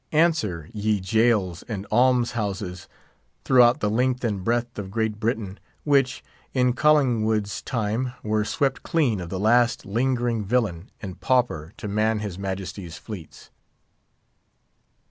Answer, ye jails and alms houses throughout the length and breadth of Great Britain, which, in Collingwood's time, were swept clean of the last lingering villain and pauper to man his majesty's fleets.